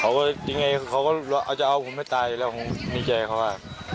ว่ายังไงเขาก็จะเอาผมให้ตายแล้วผมดีใจเขาว่า